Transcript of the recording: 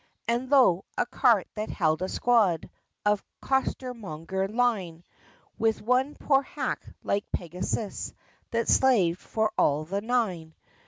And lo! a cart that held a squad Of costermonger line; With one poor hack, like Pegasus, That slaved for all the Nine!